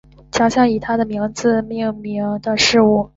奖项以他的名字命名的事物